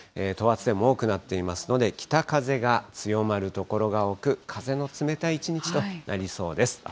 等圧線も多くなっていますので、北風が強まる所が多く、風の冷たい一日となりそうです。